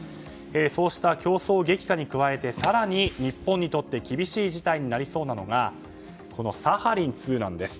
そうした競争激化に加えて更に日本にとって厳しい事態になりそうなのがサハリン２なんです。